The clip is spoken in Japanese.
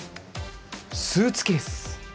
スーツケース！